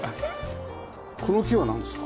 この木はなんですか？